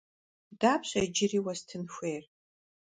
Dapşe yicıri vuestın xuêyr?